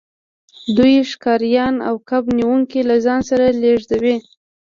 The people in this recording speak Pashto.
دوی ښکاریان او کب نیونکي له ځان سره لیږدوي